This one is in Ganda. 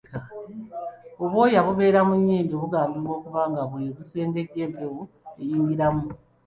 Obwoya obubeera mu nnyindo bugambibwa okuba nga bwe busengejja empewo eyingiramu.